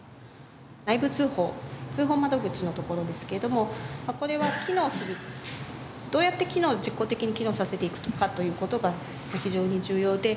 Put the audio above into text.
内部通報通報窓口のところですけれどもこれは機能するどうやって実効的に機能させていくかという事が非常に重要で。